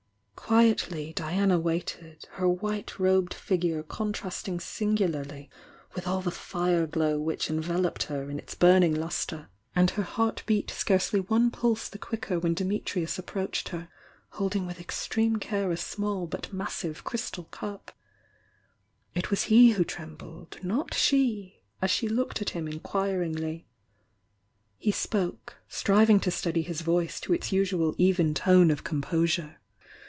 '^'^^""'^^^ waited he white robed figure contrasting singularly with a I the A which enveloped her in its burning lustre and her heart beat scarcely one pulse the quicker when Dimitrius approached her, holding whh ex treme care a small but massive clystal cup It was he who rembled, not she, as she looked at h^m mquirmgly He spoke, striving to steady his voi™ toite usual even tone of composure.